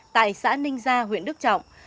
tại xã ninh gia huyện đức trọng